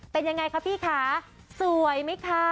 เป็นยังไงคะพี่คะสวยไหมคะ